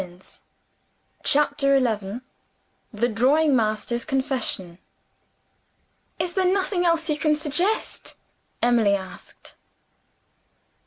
CHAPTER XI. THE DRAWING MASTER'S CONFESSION. "Is there nothing else you can suggest?" Emily asked.